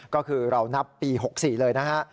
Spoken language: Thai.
ก็คือเรานับปี๖๔เลยนะฮะ